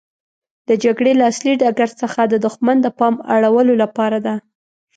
د جګړې له اصلي ډګر څخه د دښمن د پام اړولو لپاره ده.